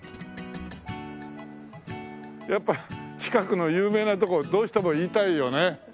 やっぱ近くの有名なとこどうしても言いたいよね。